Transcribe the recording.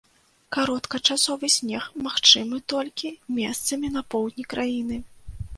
Кароткачасовы снег магчымы толькі месцамі на поўдні краіны.